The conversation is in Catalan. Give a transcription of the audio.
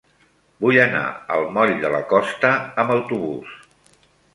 Vull anar al moll de la Costa amb autobús.